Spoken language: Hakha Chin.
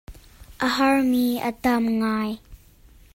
A herh mi a tam ngai.